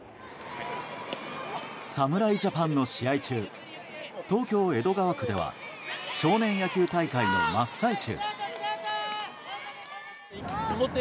侍ジャパンの試合中東京・江戸川区では少年野球大会の真っ最中。